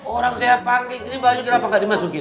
orang saya pakai ini baju kenapa gak dimasukin